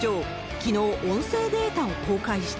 きのう、音声データを公開した。